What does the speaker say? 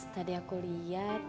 mas tadi aku lihat